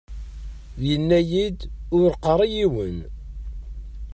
Yenna-iyi-d : Ur qqar i yiwen .